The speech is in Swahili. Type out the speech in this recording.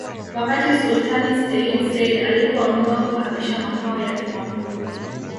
Wakati Sultani Sayyid Said alipoamua kuhamisha makao yake makuu